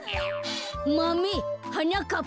「『マメ』はなかっ